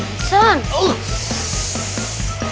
oh neneknya sobri pingsan